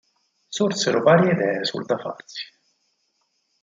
Sorsero varie idee sul da farsi.